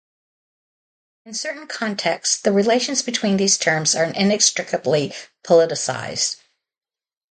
In certain contexts, the relations between these terms are inextricably politicized.